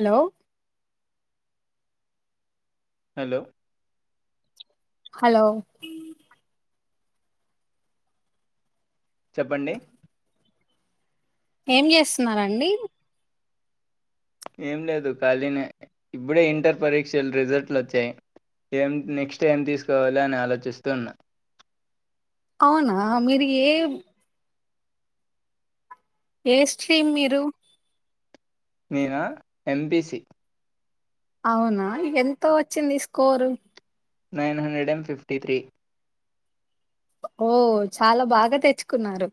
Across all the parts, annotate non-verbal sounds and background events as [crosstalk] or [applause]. Hello hello hello చెప్పండి ఏం చేస్తున్నారండి ఏం లేదు ఖాళీనే ఇబ్బుడే ఇంటర్ పరీక్షలు రిజల్ట్లు వచ్చాయ్ ఏం నెక్స్ట్ ఏం తీసుకోవాలి అని ఆలోచిస్తూన్నా అవునా మీరు ఏ ఏ స్ట్రీమ్ మీరు నేన ఎంపిసి అవునా ఎంత వచ్చింది score nine hundred and fifty three ఓ చాలా బాగా తెచ్చుకున్నారు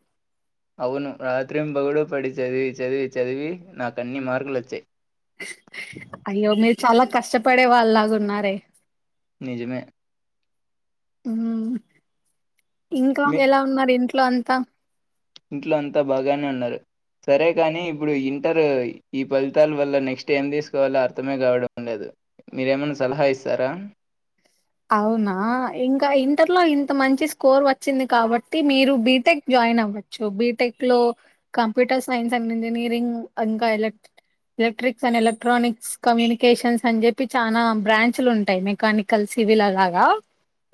అవును రాత్రిం పగలు పడి చదివి చదివి చదివి నాకు అన్ని మార్కులు వచ్చాయ్ అయ్యో మీరు చాలా కష్టపడే వాళ్ళలాగా ఉన్నారే నిజమే ఉ ఇంకా మీ ఎలా ఉన్నారు ఇంట్లో అంతా ఇంట్లో అంతా బాగానే ఉన్నారు సరే కాని ఇప్పుడు ఇంటరు ఈ ఫలితాల వల్ల నెక్స్ట్ ఏం తీసుకోవాలో అర్థమే కావడం లేదు మీరేమన్న సలహా ఇస్తారా అవునా ఇంకా ఇంటర్లో ఇంత మంచి స్కోర్ వచ్చింది కాబట్టి మీరు బీటెక్ జాయిన్ అవ్వం సో బీటెక్ లో కంప్యూటర్ సైన్స్ అండ్ ఇంజనీరింగ్ ఇంకా elect electrics and electronics communications అని చెప్పి చానా బ్రాంచ్లు ఉంటాయి మెకానికల్స్ సివిల్లాగా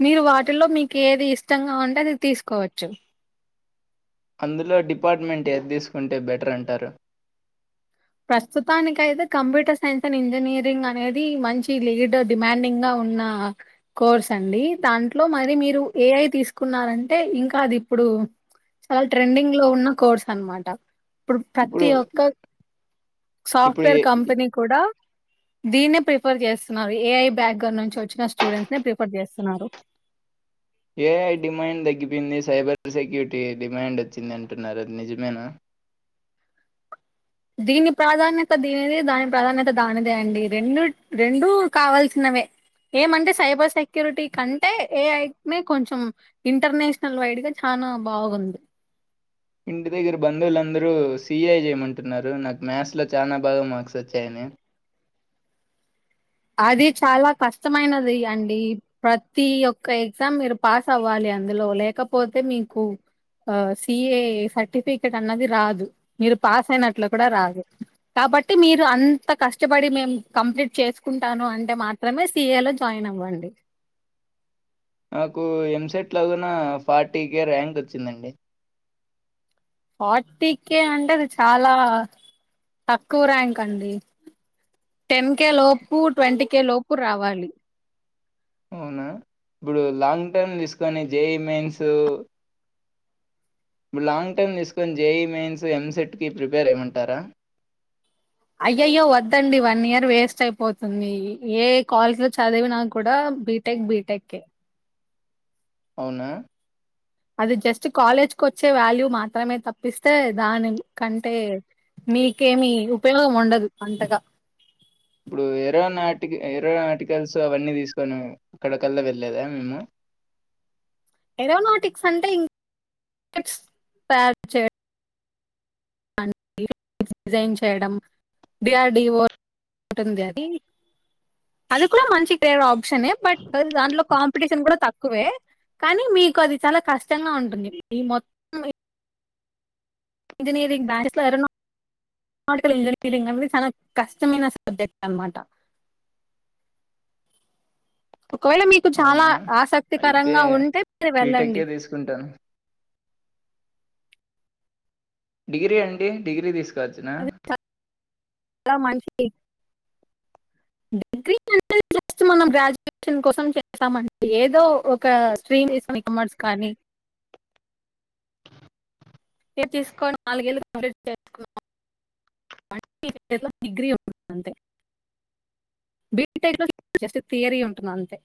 మీరు వాటిలో మీకు ఏది ఇష్టంగా ఉంటే అది తీసుకోవచ్చు అందులో డిపార్ట్మెంట్ ఏది తీసుకుంటే బెటర్ అంటారు ప్రస్తుతాని అయితే కంప్యూటర్ సైన్స్ అండ్ ఇంజనీరింగ్ అనేది మంచి లీడ్ డిమాండింగా ఉన్నా కోర్స్ అండి దాంట్లో మరి మీరు ఏఐ తీసుకున్నారంటే ఇంకా అది ఇప్పుడు. చాలా ట్రెండింగ్ లో ఉన్న కోర్స్ అనమాట ఇప్పుడు ప్రతి ఒక్క. ఇప్పుడు సాఫ్ట్వేర్ ఏ కంపెనీ కూడా. దీన్ని ప్రిఫర్ చేస్తున్నారు ఏఐ బ్యాక్గర్ నుంచి వచ్చిన స్టూడెంట్స్ నే రిఫర్ చేస్తున్నారు. ఏ ఐ డిమాండ్ తగ్గిపోయింది సైబర్ సెక్యూరిటీ డిమాండ్ వచ్చింది అంటున్నారు అది నిజమేనా. దీని ప్రాధాన్యత దీనిదే దాని ప్రాధాన్యత దానిదే అండి రెండు రెండు కావల్సినవే. ఏమంటే సైబర్ సెక్యూరిటీ కంటే ఏ ఐ నే కొంచెం. ఇంటర్నేషనల్ వైడ్ గా చనా బాగుంది. ఇంటి దగ్గర బంధువులుందరూ సఏ చేయమంటున్నారు నాకు మ్యాథ్స్ లో చాలా బాగా మార్క్స్ వచ్చాయని. అది చాలా కష్టమైనది అండి. ప్రతి ఒక్క ఎగ్జామ్ మీరు పాస్ అవ్వాలి అందులో లేకపోతే మీకు. ఆ సిఏ సర్టిఫికెట్ అన్నది రాదు. మీరు పాస్ అయినట్ల కూడా రాదు కాబట్టి మీరు అంత కష్టపడి మేము కంప్లీట్ చేస్. కుంటాను అంటే మాత్రమే సీఏ లో జాయిన్ అవ్వండి. నాకు ఎంసెట్ లో గున ఫార్టీ కే ర్యాంక్ వచ్చిందండి. ఫార్టీ కేే అంటే అది చాలా తక్కువ ర్యాంక్ అండి. టెన్ కే లోపు ట్వంటీ కే లోపు రావాలి. అవునా ఇప్పుడు లాంగ్ టర్మ్ తీసుకొని జేఈ మెయిన్స్. ఇప్పుడు లాంగ్ టైమ్ తీసుకొని జేఈ మెయిన్స్ ఎంసెట్ కి ప్రిపేర్ అవ్వమంటారా. అయ్యయ్యో వద్దండి వన్ ఇయర్ వేస్ట్ అయిపోతుంది ఏ కాలేజీలో చదివిన కూడా బి. టెక్ బీటెక్ ఏ. అవునా. అది జస్ట్ కాలేజ్కి వచ్చే వాల్యూ మాత్రమే తప్పిస్తే దాని కంటే. మీకేమి ఉపయోగం ఉండదు అంతగా. ఇప్పుడు ఎరోనాటిక ఎరోనాటికల్స్ అవన్నీ తీసుకొని అక్కడ కల్లా వెళ్ళలేదా మేము. ఎరోనాటిక్స్ అంటే ఇంప్స్ తయారు చేయ. డిజైన్ చేయడం డి ఆర్ డి ఓ. ఒక టుంది అది. అది కూడా మంచిడేర్ ఆప్షనే బట్ దాంట్లో కాంపిటీషన్ కూడా తక్కువే. కానీ మీకు అది చాలా కష్టంగా ఉంటుంది ఈ మొత్. ఇంజనీరింగ్ బ్యాస్లోర ఎవరన్నా. ఆర్టికల్ ఇంజనీరింగ్ అనేది చాలా కష్టమైన సబ్జెక్ట్ అన్నమాట. ఒకవేళ మీకు చాలా అవునా? ఆసక్తికరంగా ఉంటే మీరు వెళ్ళండి. ఉంటాను. డిగ్రీ అండి డిగ్రీ తీసుకొ వచ్చునా. లా మంచి. [unintelligible] జస్ట్ మనం గ్రాడ్యుయేషన్ కోసం చేస్తామంతే ఏదో ఒక స్ట్రీమ్ చేసామ్ కామర్స్ కానీ. ఇది తీసుకోని నాలుగేళ్ళు కంప్లీట్ చేసుకున్నావ్. [unintelligible] డిగ్రీ ఉంటుంతే. బీ టైక్ లో జస్ట్ థియరీ ఉంటుంది అంతే.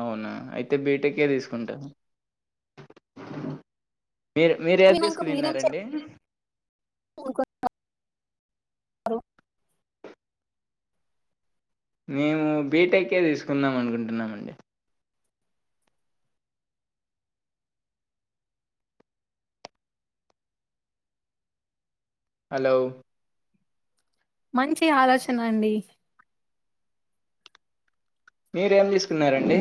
అవునా అయితే బీటెకే తీసుకుంటాను. మీరు మీరు ఏది వినాక మీరేం చేయాలనుకుంటున్నారు తీసుకునిన్నారండి. అలో. మేము బీటెక్కే తీసుకుందామనుకుంటున్నమండి హలో మంచి ఆలోచన అండి మీరేం తీసుకున్నారండి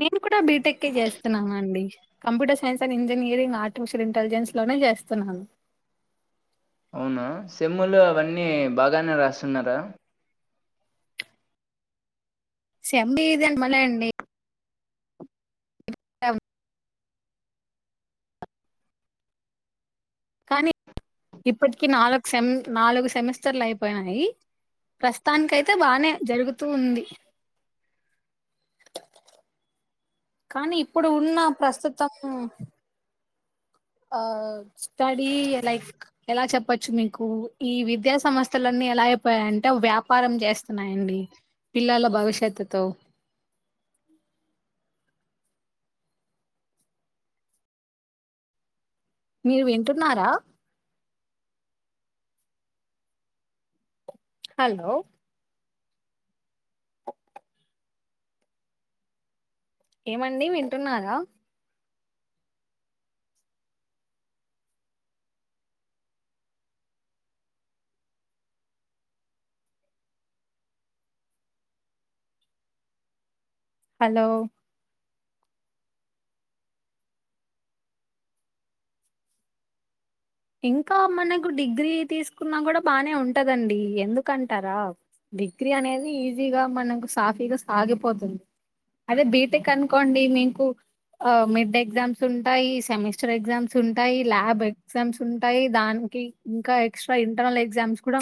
నేను కూడా బీటెకే చేస్తునానండి computer science and engineering artificial ఇంటెలిజెన్స్లోనే చేస్తున్నాను అవునా సెమ్ములు అవన్నీ బాగానే రాస్తున్నారా శంబీ ఇది మలే అండి ఏం కానీ ఇప్పటికి నాలుగు సెమ్ నాలుగు సెమిస్టర్లు అయిపోయినాయి ప్రస్తనీకైతే బానే జరుగుతూ ఉంది కానీ ఇప్పుడు ఉన్నా ప్రస్తుతం ఆ స్టడీ లైక్ ఎలా చెప్పచ్చు మీకు ఈ విద్యా సంస్థలన్నీ ఎలా అయిపోయాయంటే వ్యాపారం చేస్తున్నాయండి పిల్లల భవిష్యత్తుతో మీరు వింటున్నారా హలో ఏమండి వింటున్నారా హలో ఇంకా మనకు డిగ్రీ తీసుకున్నా కూడా బానే ఉంటదండి ఎందుకంటారా డిగ్రీ అనేది ఈజీగా మనకు సాఫీగా సాగిపోతుంది అదే బీటెక్ అనుకోండి మీకు ఆ మిడ్ ఎగ్జామ్స్ ఉంటాయి సెమిస్టర్ ఎగ్జామ్స్ ఉంటాయి ల్యాబ్ ఎగ్జామ్స్ ఉంటాయి దానికి ఇంకా ఎక్స్ట్రా ఇంటర్నల్ ఎగ్జామ్స్ కూడ